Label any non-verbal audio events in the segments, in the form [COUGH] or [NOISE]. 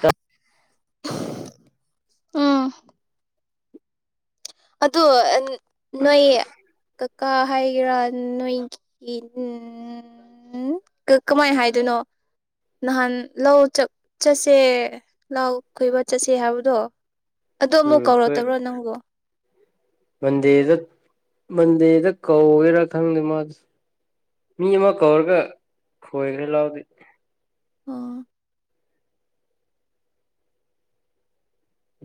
ꯇ ꯎꯝ ꯑꯗꯣ ꯅꯣꯏ ꯀꯀꯥ ꯍꯥꯏꯒꯦꯔꯥ ꯅꯣꯏꯒꯤ ꯎ ꯀꯃꯥꯏꯅ ꯍꯥꯏꯗꯣꯏꯅꯣ ꯅꯍꯥꯟ ꯂꯧ ꯆꯠꯁꯦ ꯂꯥꯎ ꯈꯣꯏꯕ ꯆꯠꯁꯦ ꯍꯥꯏꯕꯗꯣ ꯑꯗ ꯑꯃꯨꯛ ꯎꯝ ꯀꯣꯏ ꯀꯧꯔꯛꯇꯕ꯭ꯔꯣ ꯅꯪꯕꯨ ꯃꯟꯗꯦꯗ ꯃꯟꯗꯦꯗ ꯀꯧꯒꯦꯔꯥ ꯈꯪꯗꯦ ꯃꯥꯗ ꯃꯤ ꯑꯃ ꯀꯧꯔꯒ ꯈꯣꯏꯈꯔꯥ ꯂꯥꯎꯗꯦ ꯑꯣ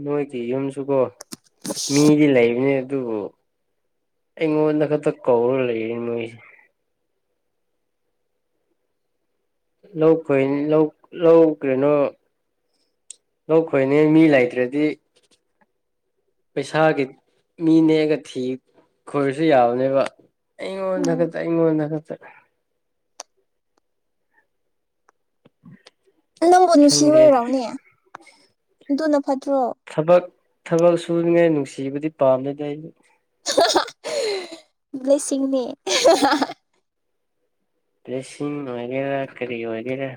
ꯅꯣꯏꯒꯤ ꯌꯨꯝꯁꯨꯀꯣ ꯃꯤꯗꯤ ꯂꯩ ꯑꯗꯨꯕꯨ ꯑꯩꯉꯣꯟꯗ ꯈꯛꯇ ꯀꯧꯔ ꯂꯩ ꯃꯣꯏꯁꯦ ꯂꯧ ꯈꯣꯏ ꯂꯧ ꯂꯧ ꯀꯩꯅꯣ ꯂꯧ ꯈꯣꯏꯅꯤ ꯃꯤ ꯂꯩꯇ꯭ꯔꯗꯤ ꯄꯩꯁꯥꯒꯤ ꯃꯤ ꯅꯦꯛꯑꯒ ꯊꯤ ꯈꯣꯏꯔꯁꯨ ꯌꯥꯕꯅꯦꯕ ꯎꯝ ꯑꯩꯉꯣꯜꯗꯀꯇ ꯑꯩꯉꯣꯜꯗꯀꯇ ꯅꯪꯕꯨ ꯅꯨꯡꯁꯤ ꯈꯪꯗ꯭ꯔꯦꯗ ꯑꯣꯏꯔꯣꯅꯦ ꯑꯗꯨꯅ ꯐꯠꯇ꯭ꯔꯣ ꯊꯕꯛ ꯊꯕꯛ ꯁꯨ ꯈꯅꯤꯡꯉꯥꯏ ꯅꯨꯡꯁꯤꯕꯗꯤ ꯄꯥꯝꯅꯗꯤ ꯑꯩꯗ ꯂꯩꯁꯤꯡꯅꯤ ꯄꯁꯤꯡ ꯑꯣꯏꯒꯦꯔꯥ ꯀꯔꯤ ꯑꯣꯏꯒꯦꯔꯥ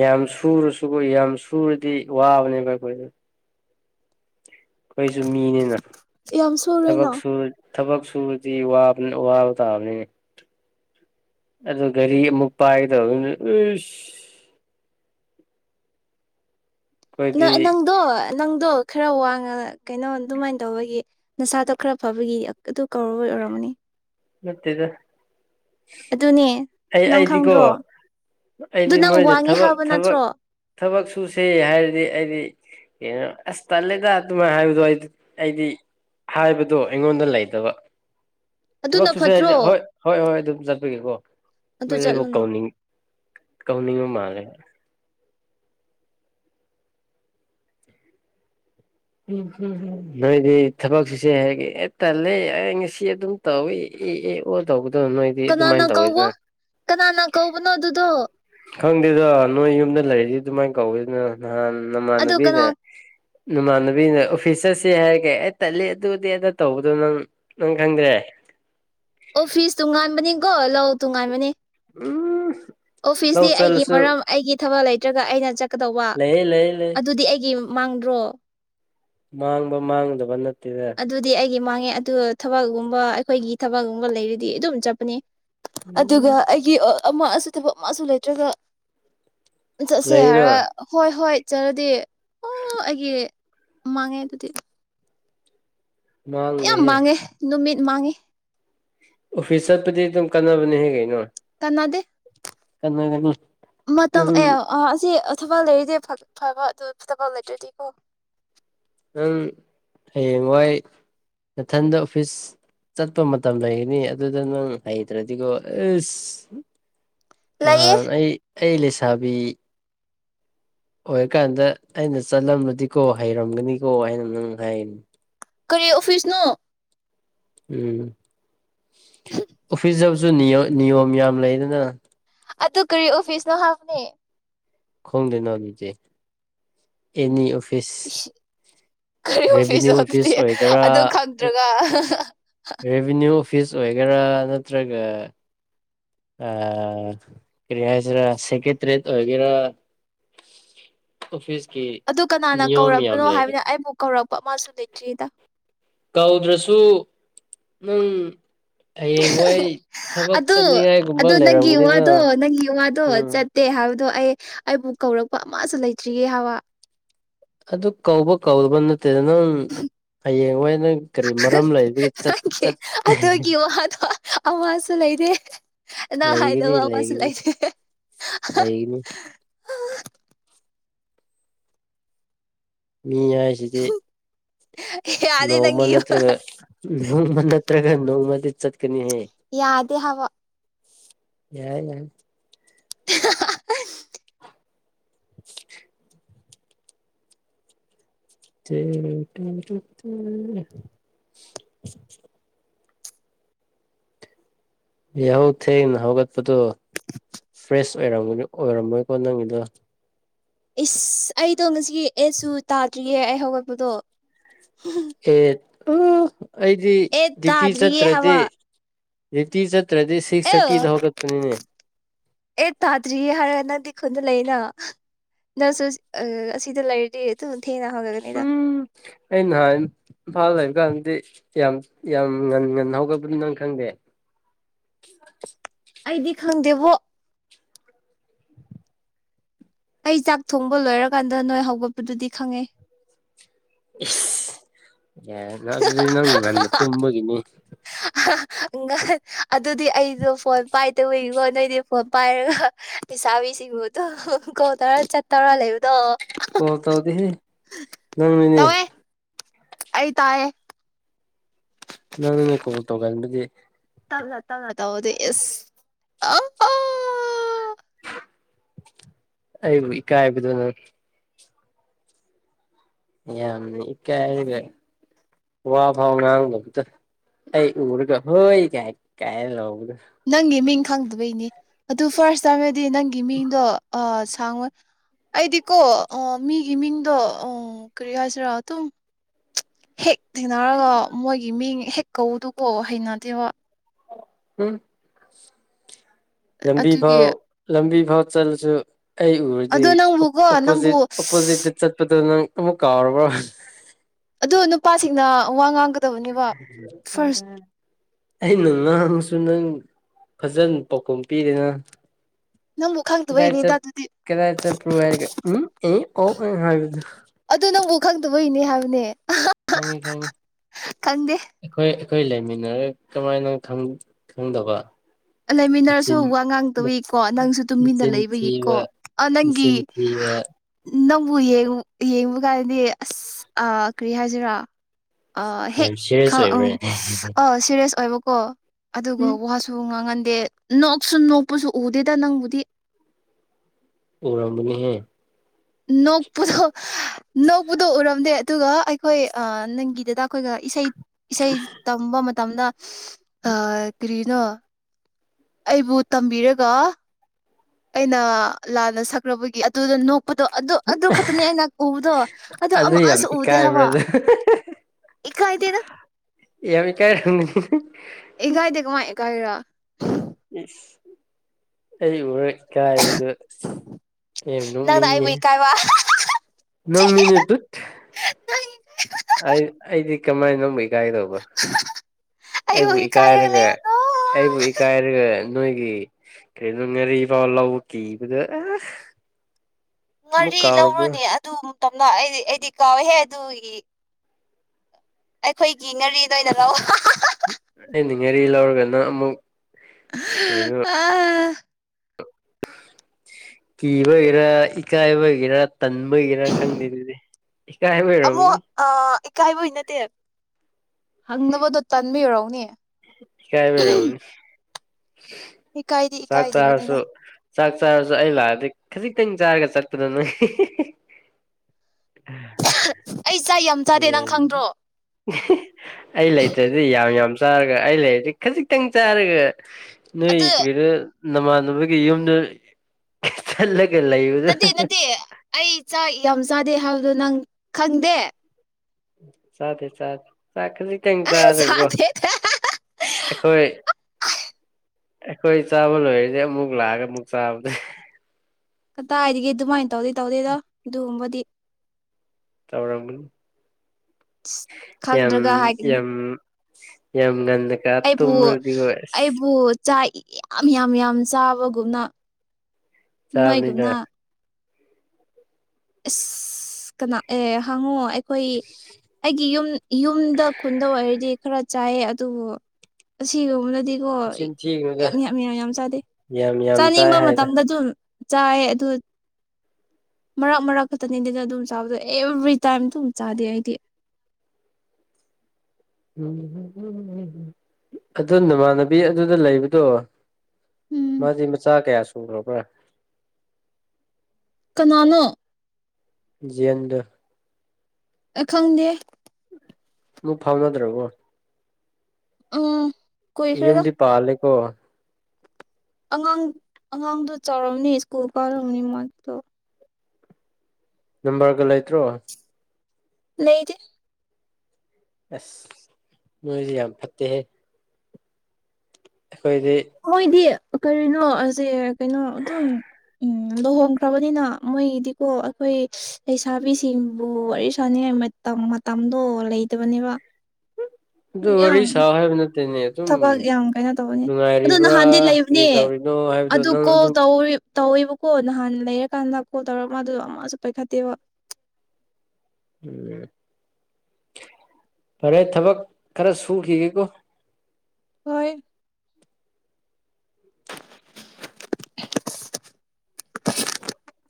ꯌꯥꯝ ꯁꯨꯔꯁꯨ ꯑꯩꯈꯣ ꯌꯥꯝ ꯁꯨꯔꯗꯤ ꯋꯥꯕꯅꯦꯕ ꯑꯩꯈꯣꯏꯗ ꯑꯩꯈꯣꯏꯁꯨ ꯃꯤꯅꯤꯅ ꯌꯥꯝ ꯁꯣꯏꯔꯦꯅ ꯊꯕꯛꯁꯨ ꯊꯕꯛꯁꯨ ꯁꯨꯗꯤ ꯋꯥꯕ ꯇꯥꯕꯅꯤꯅꯦ ꯑꯗꯨ ꯒꯥꯔꯤ ꯑꯃꯨꯛ ꯄꯥꯏꯒꯗꯕꯅꯤꯅꯤ ꯅꯪ ꯅꯪꯗꯣ ꯅꯪꯗꯣ ꯈꯔ ꯋꯥꯡꯉ ꯀꯩꯅꯣ ꯑꯗꯨꯃꯥꯏꯅ ꯇꯧꯕꯒꯤ ꯅꯁꯥꯗꯣ ꯈꯔ ꯐꯕꯒꯤ ꯑꯗꯨ ꯀꯧꯔ ꯑꯣꯏꯔꯝꯒꯅꯤ ꯅꯠꯇꯨꯗꯥ ꯑꯗꯨꯅꯦ ꯅꯪ ꯈꯪꯗ꯭ꯔꯣ ꯑꯗꯨ ꯑꯩꯗꯤ ꯅꯪ ꯃꯣꯏꯅ ꯋꯥꯡꯉꯦ ꯊꯕꯛ ꯍꯥꯏꯕ ꯊꯕꯛ ꯅꯠꯇ꯭ꯔꯣ ꯊꯕꯛ ꯁꯨꯁꯦ ꯍꯥꯏꯔꯗꯤ ꯑꯩꯗꯤ ꯀꯩꯅꯣ ꯑꯁ ꯇꯜꯂꯦꯗ ꯑꯗꯨꯃꯥꯏꯅ ꯍꯥꯏꯕꯗꯣ ꯑꯩꯗꯤ ꯍꯥꯏꯕꯗꯣ ꯑꯩꯉꯣꯟꯗ ꯂꯩꯇꯕ ꯊꯕꯛ ꯑꯗꯨꯅ ꯁꯨꯁꯦ ꯍꯥꯏ ꯐꯠꯇ꯭ꯔꯣ ꯍꯣꯏ ꯍꯣꯏ ꯍꯣꯏ ꯑꯗꯨꯝ ꯆꯠ ꯑꯗꯨ [UNINTELLIGIBLE] ꯆꯠꯂꯨꯅ ꯀꯧꯅꯤꯡ ꯀꯥꯎꯅꯤꯡꯕ ꯃꯥꯂꯦ ꯎꯝꯝ ꯅꯣꯏꯗꯤ ꯊꯕꯛ ꯆꯨꯁꯦ ꯇꯜꯂꯦ ꯑꯩ ꯉꯁꯤ ꯑꯗꯨꯝ ꯇꯧꯏꯤ ꯑꯦ ꯑꯦ ꯑꯣ ꯇꯧꯕꯗ ꯀꯅꯥꯅ ꯀꯧꯕ ꯀꯅꯥꯅ ꯀꯧꯕꯅꯣ ꯑꯗꯨꯗꯣ ꯈꯪꯗꯦꯗ ꯅꯣꯏ ꯌꯨꯝꯗ ꯂꯩꯔꯤꯗꯤ ꯑꯗꯨꯃꯥꯏꯅ ꯀꯧꯋꯤꯗꯅ ꯅ ꯑꯗꯨ ꯅꯃꯥꯟꯅꯕꯤꯅꯦ ꯀꯅꯥ ꯅꯃꯥꯟꯅꯕꯤꯅꯦ ꯐꯤꯁ ꯆꯠꯁꯦ ꯍꯥꯏꯔꯒꯦ ꯑꯩ ꯇꯠꯂ ꯑꯗꯨꯗꯤ ꯑꯗ ꯇꯧꯕꯗꯣ ꯅꯪ ꯅꯪ ꯈꯪꯗ꯭ꯔꯦ ꯑꯣꯐꯤꯁꯇꯨ ꯉꯥꯏꯥꯟꯕꯅꯤꯀꯣ ꯂꯧ ꯇꯨ ꯉꯥꯏꯥꯟꯕꯅꯤ ꯎꯝ ꯂꯧ ꯑꯣꯐꯤꯁꯇꯤ ꯑꯩꯒꯤ ꯆꯠꯂꯁꯨ ꯃꯔꯝ ꯑꯩꯒꯤ ꯊꯕꯛ ꯂꯩꯇ꯭ꯔꯒ ꯑꯩꯅ ꯆꯠꯀꯗꯧꯕ ꯂꯩꯌꯦ ꯂꯩꯌꯦ ꯂꯩ ꯑꯗꯨꯗꯤ ꯑꯩꯒꯤ ꯃꯥꯡꯗ꯭ꯔꯣ ꯃꯥꯡꯕ ꯃꯥꯡꯗꯕ ꯅꯠꯇ ꯑꯗꯨꯗꯤ ꯑꯩ ꯗꯤ ꯃꯥꯡꯉꯦ ꯑꯗꯨꯒ ꯊꯕꯛꯒꯨꯝꯕ ꯑꯩꯈꯣꯏꯒꯤ ꯊꯕꯛꯒꯨꯝꯕ ꯂꯩꯔꯗꯤ ꯑꯗꯨꯝ ꯆꯠꯄꯅꯦ ꯑꯗꯨꯒ ꯎꯝ ꯑꯩꯒꯤ ꯑꯃꯁꯨ ꯊꯕꯛ ꯑꯃꯁꯨ ꯂꯩꯇ꯭ꯔꯒ ꯆꯠꯁꯦ ꯂꯩꯅ ꯍꯥꯏꯔ ꯍꯣꯏ ꯍꯣꯏ ꯆꯔꯗꯤ ꯑꯣ ꯑꯩꯒꯤ ꯃꯥꯡꯉꯦ ꯑꯗꯨꯗꯤ ꯌꯥꯝ ꯃꯥꯡꯗꯦꯍꯦ ꯃꯥꯡꯉꯦ ꯅꯨꯃꯤꯠ ꯃꯥꯥꯡꯉꯦ ꯑꯣꯐꯤꯁ ꯆꯠꯄꯗꯤ ꯑꯗꯨꯝ ꯀꯥꯟꯅꯕꯅꯦꯍꯦꯛ ꯀꯩꯅꯣ ꯗꯤ ꯀꯟꯅꯗꯅꯤ ꯃ ꯃꯇꯝ ꯑꯦ ꯑꯁꯤ ꯊꯕꯛ ꯂꯩꯔꯤꯗꯤ ꯐꯕ ꯑꯗꯨ ꯊꯕꯛ ꯂꯩꯇ꯭ꯔꯗꯤꯀꯣ ꯅꯪ ꯍꯌꯦꯡꯋꯥꯏ ꯃꯊꯟꯗ ꯑꯣꯐꯤꯁ ꯆꯠꯄ ꯃꯇꯝ ꯂꯩꯒꯅꯤ ꯑꯗꯨꯗ ꯅꯪ ꯍꯩꯇ꯭ꯔꯗꯤꯀꯣ ꯑꯁ ꯑ ꯂꯩꯌꯦ ꯑꯩ ꯑꯩ ꯂꯩꯁꯥꯕꯤ ꯑꯣꯏꯔꯀꯥꯟꯗ ꯑꯩꯅ ꯆꯠꯂꯝꯕꯗꯤꯀꯣ ꯍꯩꯔꯝꯒꯅꯤꯀꯣ ꯍꯥꯏꯅ ꯅꯪ ꯍꯥꯏꯅꯤ ꯀꯔꯤ ꯑꯣꯐꯤꯁꯅꯣ ꯎꯝ ꯑꯣꯐꯤꯤꯁ ꯨ ꯅꯤꯌꯣꯝ ꯌꯥꯝ ꯂꯩꯗꯅ ꯑꯗꯨ ꯀꯔꯤ ꯑꯣꯐꯤꯁꯅꯣ ꯍꯥꯡꯅꯤ ꯈꯣꯗ ꯅ ꯂꯤꯖꯦ ꯑꯦꯅꯤ ꯑꯣꯐꯤꯁ ꯀꯔꯤ ꯔꯦꯚꯤꯅ꯭ꯌꯨ ꯑꯣꯐꯤꯁ ꯑꯗꯨꯗꯤ ꯑꯣꯏꯒꯦꯔꯥ ꯑꯗꯨ ꯈꯪꯗ꯭ꯔꯒ ꯐꯤꯁ ꯑꯣꯏꯒꯦꯔꯥ ꯅꯠꯇ꯭ꯔꯒ ꯑ ꯀꯁꯤꯔ ꯁꯦꯀ꯭ꯔꯦꯇꯔꯤꯒꯦꯔ ꯑꯣꯐꯤꯁ ꯑꯗꯨ ꯀꯅꯥꯅ ꯀꯧꯔꯕꯅꯣ ꯍꯥꯏꯕꯅ ꯑꯩꯕꯨ ꯀꯧꯔꯛꯄ ꯑꯃꯁꯨ ꯂꯩꯇ꯭ꯔꯤꯗ ꯀꯧꯗ꯭ꯔꯁꯨ ꯅꯪ ꯍꯌꯦꯡ ꯋꯥꯏ ꯊꯕꯛ ꯑꯗꯣ ꯆꯠꯅꯤꯡꯉꯥꯏꯒꯨꯝꯕ ꯑꯗꯨꯣ ꯅꯪꯒꯤ ꯂꯩꯔꯝꯒꯅꯤꯗꯅ ꯌꯋꯥꯗꯣ ꯅꯪꯒꯤ ꯌ ꯋꯥꯗꯣ ꯎꯝ ꯆꯠꯇꯦ ꯍꯥꯏꯥꯎꯗꯤ ꯑꯗꯣ ꯑꯩ ꯑꯩꯕꯨ ꯀꯧꯔꯛꯄ ꯑꯃꯁꯨ ꯂꯩꯇ꯭ꯔꯤꯌꯦ ꯍꯥꯏꯕ ꯑꯗꯨ ꯀꯧꯕ ꯀꯧꯔꯕ ꯠꯇꯗ ꯅꯪ ꯍꯌꯦꯡ ꯍꯣꯏ ꯅꯪ ꯀꯔꯤ ꯃꯔꯝ ꯂꯩꯕꯒꯤ ꯅꯪꯒꯤ ꯑꯗꯨꯒꯤ ꯋꯥꯗꯣ ꯑꯃꯁꯨ ꯂꯩꯇꯦ ꯅꯪ ꯂꯩꯒꯅꯤ ꯍꯥꯏꯗꯕ ꯑꯃꯁꯨ ꯂꯩꯒꯅꯤ ꯂꯩꯇꯦ ꯂꯩꯒꯅꯤ ꯃꯤ ꯍꯥꯏꯁꯤꯗꯤ ꯌꯥꯗꯦ ꯅꯧꯃ ꯅꯪꯒꯤ ꯅꯠꯇ꯭ꯔꯒ ꯅꯧꯃꯅ ꯅꯠꯇ꯭ꯔꯒ ꯅꯧꯃ ꯌꯥꯗꯦ ꯍꯥꯋꯥ ꯌꯥꯏ ꯅ [INAUDIBLE] [INAUDIBLE] ꯇ ꯌꯥꯍꯧ ꯊꯦꯡꯅ ꯍꯧꯒꯠꯄꯗꯣ ꯐ꯭ꯔꯦꯁ ꯑꯣꯏꯔ ꯑꯣꯏꯔꯝꯃꯣꯏꯀꯣ ꯅꯪꯒꯤꯗꯣ ꯏꯁꯁ ꯑꯩꯗꯣ ꯉꯁꯤꯒꯤ ꯑꯦꯁꯁꯨ ꯇꯥꯗ꯭ꯔꯤꯌꯦ ꯑꯩ ꯍꯧꯒꯠꯄꯗꯣ ꯑꯦ ꯎ ꯑꯩꯗꯤ ꯑꯦꯠ ꯗ꯭ꯌꯨꯇꯤ ꯇꯥꯗ꯭ꯔꯤꯌꯦ ꯆꯠꯇ꯭ꯔꯗꯤ ꯇꯦ ꯑ ꯑꯦ ꯇꯥꯗꯔꯤꯔꯤ ꯍꯥꯏꯔꯅ ꯑꯩꯣꯟꯗ ꯂꯩꯅ ꯅꯪꯁꯨ ꯑꯁꯤꯗ ꯂꯩꯔꯗꯤ ꯊꯦꯡꯅ ꯍꯧꯒꯠꯒꯅꯤꯗ ꯎꯝ ꯑꯩꯅꯥꯏ ꯐꯥꯎ ꯂꯩ ꯀꯥꯟ ꯗꯤ ꯌꯥꯝ ꯌꯥꯝ ꯉꯟ ꯉꯟꯅ ꯍꯧꯒꯕꯅꯤ ꯅꯪ ꯈꯪꯗꯦ ꯑꯩꯗꯤ ꯈꯪꯗꯦꯕꯣ ꯑꯩ ꯆꯥꯛ ꯊꯣꯡꯕ ꯂꯣꯏꯔꯀꯥꯟꯗ ꯅꯣꯏ ꯍꯧꯒꯠꯄꯗꯨꯗꯤ ꯈꯪꯉꯦ ꯌꯥ ꯑꯗꯨꯗꯤ ꯅꯪ ꯃꯅ ꯇꯨꯝꯕꯒꯤꯅꯤ ꯑꯗꯨꯗꯤ ꯑꯩꯗꯣ ꯐꯣꯟ ꯄꯥꯏꯗꯋꯤꯀꯣ ꯅꯣꯏꯗꯤ ꯐꯣꯟ ꯄꯥꯏꯔꯒ ꯂꯩꯤꯁꯥꯕꯤꯁꯤꯡꯕꯨꯗꯣ ꯀꯧ ꯇꯧꯔ ꯆꯠꯇꯧꯔ ꯂꯩꯕꯗꯣ ꯀꯣꯜ ꯇꯗꯗꯤ ꯅꯅꯃꯤꯅꯦ ꯇꯧꯋꯦ ꯑꯩ ꯇꯥꯏꯌꯦ [UNINTELLIGIBLE] ꯒꯝ [UNINTELLIGIBLE] ꯇꯞꯅ ꯇꯥꯎꯗ ꯏꯁ [UNINTELLIGIBLE] ꯑꯩꯕꯨ ꯏꯀꯥꯏꯕꯗ ꯌꯥꯝꯅꯤ ꯏ ꯀꯥꯏꯔꯒ ꯋꯥ ꯐꯥꯎ ꯉꯥꯡꯕꯕꯨꯛꯇ ꯑꯩ ꯎꯔꯒ ꯍꯣꯏ ꯀꯥꯏ ꯀꯥꯏꯔ ꯂꯥꯎꯔꯒ ꯅꯪꯒꯤ ꯃꯤꯡ ꯐꯪꯗꯕꯩꯅꯦ ꯑꯗꯨ ꯐꯥꯔꯁ ꯇꯃꯤꯠ ꯗꯤ ꯅꯪꯒꯤ ꯃꯤꯡꯗꯣ ꯑ ꯁꯥꯡꯉꯣꯏ ꯑꯩꯗꯤꯀꯣ ꯃꯤꯒꯤ ꯃꯤꯡꯗꯣ ꯀꯔꯤ ꯍꯥꯏꯁꯤꯔꯥ ꯑꯗꯨꯝ ꯍꯦꯛ ꯊꯦꯡꯅꯔꯒ ꯃꯣꯏꯒꯤ ꯃꯤꯡ ꯀꯧꯗꯨꯀꯣ ꯍꯩꯅꯗꯦꯕ ꯎꯝ ꯂꯝꯕꯤ ꯑꯗꯨꯒꯤ ꯐꯥꯎ ꯂꯝꯕꯤ ꯑ ꯆꯠꯂꯁꯨ ꯑꯩ ꯎꯔꯗꯤ ꯑꯗꯣ ꯅꯪꯕꯨꯀꯣ ꯅꯪꯕꯨ ꯑꯣꯄꯣꯖꯤꯠ ꯑꯣꯄꯣꯖꯤꯠꯇ ꯆꯠꯄꯗ ꯅꯪ ꯑꯃꯨ ꯀꯥꯎꯔꯕ ꯑꯗꯨ ꯅꯨꯄꯥꯁꯤꯡꯅ ꯋꯥ ꯉꯥꯡꯒ ꯇꯕꯅꯦꯕ ꯐꯥꯔꯁ ꯑꯩꯅ ꯉꯍꯥꯡꯁꯨ ꯅꯪ ꯐꯖꯅ ꯄꯥꯎꯈꯨꯝ ꯄꯤꯗꯦꯅ ꯅꯪꯕꯨ ꯀꯗꯥꯏ ꯈꯪꯗꯕꯩꯅꯤꯗ ꯆꯠ ꯑꯗꯨꯗꯤ ꯀꯗꯥ ꯆꯄ꯭ꯔꯨ ꯍꯥꯏꯔꯒ ꯎꯝ ꯑꯦ ꯑꯣ ꯍꯥꯏꯕꯗ ꯑꯗꯨ ꯅꯪꯕꯨ ꯈꯪꯗꯕꯩꯅꯦ ꯍꯥꯏꯕꯅꯦ ꯈꯪꯉꯤ ꯈꯪꯉꯤ ꯈꯪꯗꯦ ꯑꯩꯈꯣꯏ ꯑꯩꯈꯣꯏ ꯂꯩꯃꯤꯟꯅꯔꯒ ꯀꯃꯥꯏꯅ ꯈꯪꯗꯕ ꯂꯩꯃꯤꯟꯅꯔꯁꯨ ꯅꯆꯤꯟ ꯋꯥ ꯉꯥꯡꯇꯕꯒꯤꯀꯣ ꯅꯪꯁꯨ ꯇꯨꯃꯤꯟꯅ ꯅꯆꯤꯟ ꯂꯩꯕꯒꯤꯀꯣ ꯊꯤꯕ ꯅꯪꯒꯤ ꯅꯆꯤꯟ ꯊꯤꯕ ꯅꯪꯕꯨ ꯌꯦꯡ ꯌꯦꯡꯕ ꯀꯥꯟꯗꯗꯤ ꯑꯁ ꯀꯔꯤ ꯍꯥꯏꯁꯤꯔꯥ ꯑ ꯍꯦꯛ ꯌꯥꯝ ꯑ ꯁꯦꯔꯤꯌꯁ ꯑꯣꯏꯕ꯭ꯔꯅꯦ ꯑ ꯁꯦꯔꯦꯁ ꯑꯣꯏꯕ ꯀꯣ ꯑꯗꯨꯒ ꯎꯝ ꯋꯥꯍꯥꯁꯨ ꯉꯥꯡ ꯈꯪꯉꯟꯗꯦ ꯅꯣꯛꯁꯨ ꯅꯣꯛꯄꯁꯨ ꯎꯗꯦꯗ ꯅꯪꯕꯨꯗꯤ ꯑꯣꯔꯝꯃꯅꯤ ꯍꯦ ꯅꯣꯛꯄꯨꯗꯣ ꯅꯣꯛꯄꯨꯗꯣ ꯎꯔꯝꯗꯦ ꯑꯗꯨꯒ ꯑꯩꯈꯣꯏ ꯅꯪꯒꯤꯗꯥꯛ ꯑꯩꯈꯣꯏꯒ ꯏꯁꯩ ꯏꯁꯩ ꯇꯝꯕ ꯇꯝꯅ ꯑ ꯀꯔꯤ ꯅ ꯑꯩꯕꯨ ꯇꯝꯕꯤꯔꯒ ꯑꯩꯅ ꯂꯥꯟꯅ ꯁꯛꯈ꯭ꯔꯕꯒꯤ ꯑꯗꯨꯗ ꯎꯗꯣ ꯑꯗꯨ ꯑꯗꯨ ꯈꯛꯇꯅꯦ ꯑꯩꯅ ꯎꯕꯗꯣ ꯑꯗꯨꯗꯣ ꯑꯗꯨ ꯌꯥꯝ ꯑꯃꯨꯛꯁꯨ ꯎꯗꯦ ꯍꯥꯏꯕ ꯏꯀꯥꯏꯕ꯭ꯔꯗ ꯏꯀꯥꯏꯗꯦꯗ ꯌꯥꯝꯃꯤ ꯀꯌꯥ ꯔꯝ ꯏꯒ ꯏꯗꯦ ꯀꯃ ꯀꯥꯏꯔ ꯑꯩ ꯑꯣꯏꯣꯏ ꯀꯥꯏꯕꯗꯨꯅꯅꯨꯡ ꯅꯪꯅ ꯑꯩꯕꯨ ꯅ ꯏꯀꯥꯏꯕ ꯅꯪꯅꯤꯅꯦꯠꯇ ꯑꯩ ꯑꯩꯗꯤ ꯃꯃꯥꯏꯅꯩ ꯏꯀꯥꯏꯗꯧꯕ ꯑꯩꯕꯨ ꯏꯀꯥꯏꯔꯒ ꯑꯩꯕꯨ ꯏꯀꯥꯏꯔꯒ ꯅꯣꯏꯒꯤ ꯀꯩꯅꯣ ꯉꯥꯔꯤ ꯐꯥꯎ ꯂ ꯀꯤꯕꯗ ꯑꯃꯨꯛ ꯉꯥꯔꯤ ꯀꯥꯎꯔꯕ꯭ꯔꯣ ꯂꯧꯔꯨꯅꯦ ꯑꯗꯨꯝ ꯇꯝꯅ ꯑꯩꯗꯤ ꯑꯩꯗꯤ ꯀꯥꯎꯋꯦꯍꯦ ꯑꯗꯨꯒꯤ ꯑꯩꯈꯣꯏꯒꯤ ꯉꯔꯤꯗ ꯑꯣꯏꯅ ꯂꯥꯛꯑꯣ ꯑꯩꯅ ꯉꯥꯔꯤ ꯂꯧꯔꯒꯅ ꯑꯃꯨꯛ ꯀꯩꯅꯣ ꯑ ꯀꯤ ꯑꯣꯏꯒꯦꯔ ꯏꯀꯥꯏ ꯒꯦꯔ ꯇꯟꯕꯒꯔ ꯈꯪꯗꯦ ꯑꯗꯨꯗꯤ ꯀꯥꯏ ꯑꯃꯨꯛ ꯑꯣꯏꯔꯅꯤ ꯑ ꯏꯀꯥꯏꯕꯩ ꯍꯪꯅꯕꯗꯣ ꯇꯥꯟꯕꯤꯨꯔꯣꯅꯦ ꯀꯥꯏ ꯃꯗꯥ ꯏꯀꯥꯏꯗꯤ ꯆꯥꯛ ꯆꯥꯔꯁꯨ ꯏꯀꯥꯏꯗꯕꯅꯤꯗ ꯆꯥꯛ ꯆꯥꯔꯁꯨ ꯑꯩ ꯂꯥꯛꯑꯗꯤ ꯈꯖꯤꯛꯇꯪ ꯆꯥꯔꯒ ꯆꯠꯄꯗ ꯅꯪ ꯑꯩꯁ ꯌꯥꯝ ꯆꯥꯗꯦ ꯅꯪ ꯈꯪꯗ꯭ꯔꯣ ꯑꯩ ꯂꯩꯇ꯭ꯔꯗꯤ ꯌꯥꯝ ꯌꯥꯝ ꯆꯥꯔꯒ ꯑꯩ ꯂꯩꯔꯤꯁꯦ ꯈꯖꯤꯛꯇꯪ ꯆꯥꯔꯒ ꯅ ꯑꯗꯨ ꯀꯔꯤꯗ ꯅꯃꯥꯟꯅꯕꯒꯤ ꯌꯨꯝꯗꯨ ꯆꯠꯂꯒ ꯂꯩꯕꯗꯨ ꯅꯠꯇꯦ ꯅꯠꯇꯦ ꯑꯩ ꯆꯥꯛ ꯌꯥꯝ ꯆꯥꯗꯦ ꯍꯥꯏꯕꯗꯣ ꯅꯪ ꯈꯪꯗꯦ ꯁꯥꯇꯦ ꯁꯥꯠ ꯆꯥꯛꯀꯁꯤ ꯀꯩ ꯆꯥꯔꯒꯣ ꯆꯥꯗꯦ ꯑꯩꯈꯣꯏ ꯑꯩꯈꯣꯏ ꯆꯥꯕ ꯂꯣꯏꯔꯤꯁꯦ ꯑꯃꯨꯛ ꯂꯥꯛꯑꯒ ꯑꯃꯨꯛ ꯆꯥꯕꯅꯦ ꯀꯗꯥꯏꯗꯒꯤ ꯑꯗꯨꯃꯥꯏꯅ ꯇꯧꯗꯦ ꯇꯧꯗꯦꯗ ꯑꯗꯨꯒꯨꯝꯕꯗꯤ ꯇꯧꯔꯝꯒꯅꯤ ꯑ ꯈꯪꯗ꯭ꯔꯒ ꯑꯦ ꯍꯥꯏꯒꯅꯨ [UNINTELLIGIBLE] ꯌꯥꯝꯒ ꯑꯩꯕꯨ ꯑꯩꯕꯨ ꯆꯥꯛ ꯌꯥꯝ ꯌꯥꯝ ꯌꯥꯝ ꯆꯥꯕꯒꯨꯝꯅ ꯆꯥꯕꯅꯤꯅ ꯅꯣꯏꯒꯨꯝꯅ ꯑꯁ ꯀꯅꯥ ꯑꯦ ꯍꯪꯉꯣ ꯑꯩꯈꯣꯏ ꯑꯩꯒꯤ ꯌꯨꯝ ꯌꯨꯝꯗ ꯈꯨꯟꯗ ꯑꯣꯏꯔꯗꯤ ꯈꯔ ꯆꯥꯏꯌꯦ ꯑꯗꯨꯕꯨ ꯑꯁꯤꯒꯨꯝꯕꯅ ꯑꯗꯨꯗꯤꯀꯣ ꯆꯤꯟ ꯊꯤꯒꯅꯨꯗ ꯌꯥꯝ ꯌꯥꯝ ꯌꯥꯝ ꯌꯥꯝ ꯌꯥꯝ ꯆꯥꯗꯦ ꯌꯥꯝ ꯌꯥꯝ ꯆꯥꯏ ꯆꯥꯅꯤꯡꯕ ꯍꯥꯏꯗ ꯃꯇꯝꯗ ꯑꯗꯨꯝ ꯆꯥꯏ ꯑꯗꯨ ꯃꯔꯛ ꯃꯔꯛ ꯈꯛꯇꯅꯤ ꯑꯗꯨꯅ ꯑꯗꯨꯝ ꯆꯥꯕꯗꯣ ꯑꯦꯚ꯭ꯔꯤ ꯇꯥꯏꯝ ꯑꯗꯨꯝ ꯆꯥꯗꯦ ꯑꯩꯗꯤ ꯎꯝ ꯑꯗꯨ ꯅꯃꯥꯟꯅꯕꯤ ꯑꯗꯨꯗ ꯂꯩꯕꯗꯣ ꯎꯝ ꯃꯥꯗꯤ ꯃꯆꯥ ꯀꯌꯥꯁꯨ ꯁꯨꯔꯕꯔ ꯀꯅꯥꯅꯣ ꯌꯦꯟꯗ ꯑ ꯈꯪꯗꯦ ꯃꯨꯛ ꯐꯥꯎꯅꯗ꯭ꯔꯕꯣ ꯎꯝ ꯀꯨꯏꯈ꯭ꯔꯦꯗ ꯌꯨꯝꯗꯤ ꯄꯥꯜꯂꯦꯀꯣ ꯑꯉꯥꯡ ꯑꯉꯥꯡꯗꯣ ꯆꯥꯎꯔꯝꯅꯤ ꯁ꯭ꯀꯨꯜ ꯀꯥꯜꯔꯝꯅꯤ ꯃꯥꯛꯇꯣ ꯅꯝꯕꯔꯒ ꯂꯩꯇ꯭ꯔꯣ ꯂꯩꯗꯦ ꯑꯁ ꯅꯣꯏꯖꯦ ꯌꯝ ꯐꯠꯇꯦꯍꯦ ꯑꯩꯈꯣꯏꯗꯤ ꯃꯣꯏꯗꯤ ꯀꯔꯤꯅꯣꯑꯁꯦ ꯀꯩꯅꯣ ꯑꯗꯨꯝ ꯎꯝ ꯂꯨꯍꯣꯡꯈ꯭ꯔꯕꯅꯤꯅ ꯃꯣꯏꯗꯤꯀꯣ ꯑꯩꯈꯣꯏ ꯂꯩꯁꯥꯕꯤꯁꯤꯡꯕꯨ ꯋꯥꯔꯤ ꯁꯅꯤꯡꯉꯥꯏ ꯃꯇꯝ ꯃꯇꯝꯗꯣ ꯂꯩꯇꯕꯅꯦꯕ ꯑꯗꯨ ꯋꯥꯔꯤ ꯌꯥꯝ ꯁꯥꯎ ꯍꯥꯏꯕꯅꯠ ꯊꯕꯛ ꯌꯥꯝ ꯀꯩꯅꯣ ꯇꯧꯕꯅꯤ ꯑꯗꯨ ꯅꯨꯡꯉꯥꯏꯔꯤꯕ꯭ꯔꯥ ꯅꯍꯥꯟꯗꯤ ꯀꯔꯤ ꯂꯩꯕꯅꯦ ꯇꯧꯔꯤꯅꯣ ꯍꯥꯏꯕꯗꯣ ꯑꯗꯨ ꯅꯪ ꯀꯣꯜ ꯑꯗꯨꯝ ꯇꯧ ꯇꯧꯋꯦꯕꯀꯣ ꯅꯍꯥꯟ ꯂꯩꯔꯀꯥꯟꯗ ꯀꯣꯜ ꯇꯧꯔ ꯃꯥꯗꯨ ꯑꯃꯁꯨ ꯄꯥꯏꯈꯠꯇꯦꯕ ꯎꯝ ꯐꯔꯦ ꯊꯕꯛ ꯈꯔ ꯁꯨꯈꯤꯒꯦꯀꯣ ꯍꯣꯏ [INAUDIBLE] [INAUDIBLE]